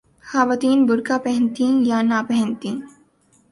خواتین برقعہ پہنتیں یا نہ پہنتیں۔